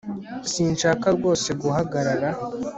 Sinshaka rwose guhagarara